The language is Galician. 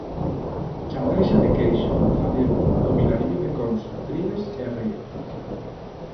Chandrexa de Queixa, Manzaneda, do Vilariño de Conso, Trives e Río.